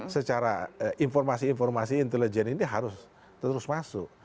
secara informasi informasi intelijen ini harus terus masuk